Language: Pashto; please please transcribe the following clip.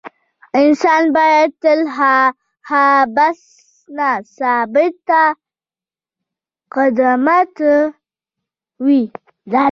انسان باید تل ثابت قدمه وي.